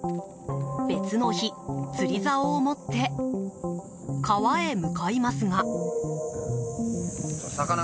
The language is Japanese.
別の日、釣りざおを持って川へ向かいますが。